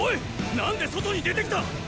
なんで外に出てきたっ！